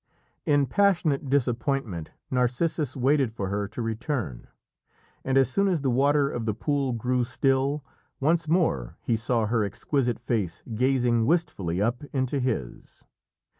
In passionate disappointment Narcissus waited for her to return, and as soon as the water of the pool grew still, once more he saw her exquisite face gazing wistfully up into his.